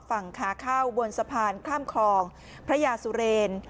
ฝั่งขาเข้าบนสะพานข้ามคลองพระยาสุเรน